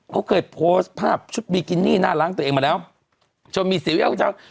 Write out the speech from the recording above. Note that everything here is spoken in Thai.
เขาเคยโพสต์ภาพชุดบีกินี่หน้าล้างตัวเองมาแล้วจนมีซีเรียลคุณเจ้า